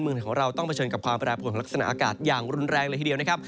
เมืองไทยของเราต้องเผชิญกับความแปรปวดของลักษณะอากาศอย่างรุนแรงเลยทีเดียวนะครับ